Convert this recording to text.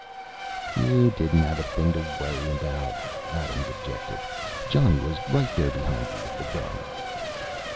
"You didn't have a thing to worry about," Adams objected. "Johnny was right there behind you with the gun."